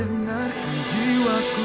mendengarkan diwaku aku